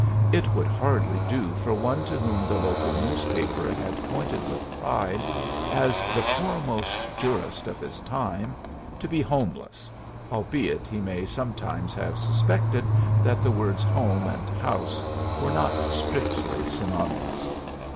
It would hardly do for one to whom the local newspaper had pointed with pride as "the foremost jurist of his time" to be "homeless," albeit he may sometimes have suspected that the words "home" and "house" were not strictly synonymous.